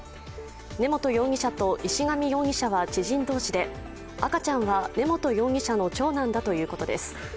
根本容疑者と石神容疑者は知人同士で赤ちゃんは根本容疑者の長男だということです。